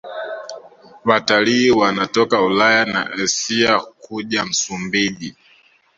Watalii wanatoka Ulaya na Asia kuja Msumbiji